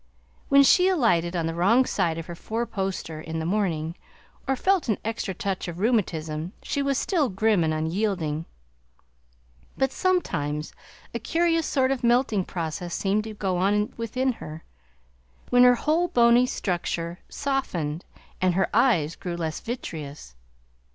When she alighted on the wrong side of her four poster in the morning, or felt an extra touch of rheumatism, she was still grim and unyielding; but sometimes a curious sort of melting process seemed to go on within her, when her whole bony structure softened, and her eyes grew less vitreous.